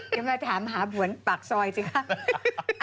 เดี๋ยวมาถามหาบ่วนปากซอยจริงหรือครับ